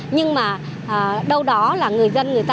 nhưng mà đâu đó là người dân vẫn chưa có ý thức